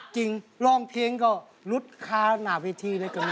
จริงลองเพียงก็รุดค้าหนาวพิธีเลยกันเนี่ย